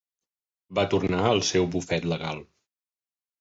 Va tornar al seu bufet legal.